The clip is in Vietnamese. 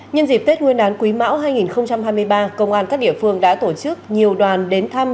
nhân dịp tết nguyên đán quý mão hai nghìn hai mươi ba công an các địa phương đã tổ chức nhiều đoàn đến thăm